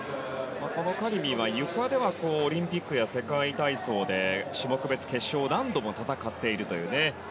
カリミは、ゆかではオリンピックや世界体操で種目別決勝を何度も戦っているという。